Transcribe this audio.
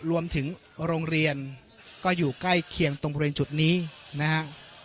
โรงเรียนก็อยู่ใกล้เคียงตรงบริเวณจุดนี้นะฮะ